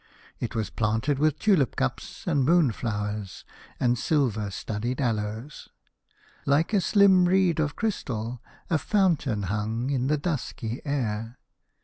It was planted with tulip cups and moonflowers, and silver studded aloes. Like a slim reed of crystal a fountain hung in the dusky air.